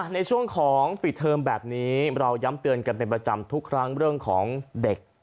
ในช่วงของปิดเทอมแบบนี้เราย้ำเตือนกันเป็นประจำทุกครั้งเรื่องของเด็ก